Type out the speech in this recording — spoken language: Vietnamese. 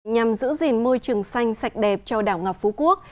nhằm giữ gìn môi trường xanh sạch đẹp cho đảo ngọc phú quốc